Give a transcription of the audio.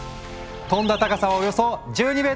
飛んだ高さはおよそ１２メートル！